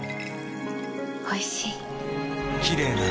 おいしい。